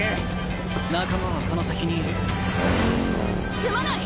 すまない！